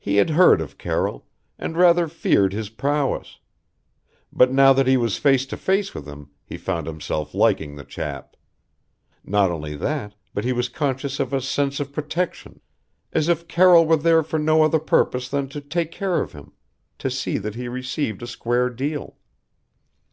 He had heard of Carroll, and rather feared his prowess; but now that he was face to face with him, he found himself liking the chap. Not only that, but he was conscious of a sense of protection, as if Carroll were there for no other purpose than to take care of him, to see that he received a square deal.